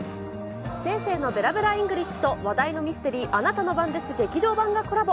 星星のベラベラＥＮＧＬＩＳＨと話題のミステリー、あなたの番です劇場版がコラボ。